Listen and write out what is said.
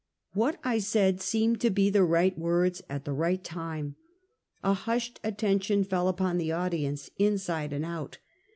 "What I said seemed to be the right words at the right time. A hushed attention fell upon the audience, inside and out.